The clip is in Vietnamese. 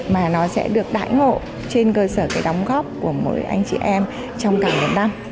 mà nó sẽ được đải ngộ trên cơ sở cái đóng góp của mỗi anh chị em trong cả một năm